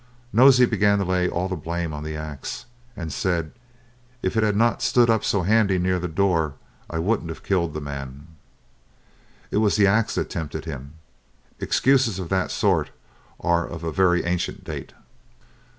Nosey began to lay all the blame on the axe, and said, "If it had not stood up so handy near the door, I wouldn't have killed the man." It was the axe that tempted him. Excuses of that sort are of a very ancient date.